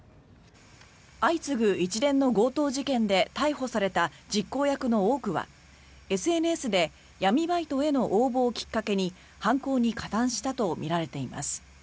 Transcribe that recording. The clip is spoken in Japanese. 相次ぐ一連の強盗事件で逮捕された実行役の多くはＳＮＳで闇バイトへの応募をきっかけに犯行に加担したとみられています。